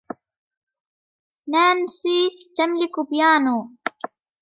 نانسي تملك بيانو.